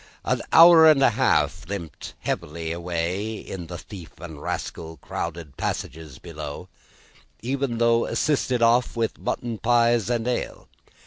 An hour and a half limped heavily away in the thief and rascal crowded passages below, even though assisted off with mutton pies and ale.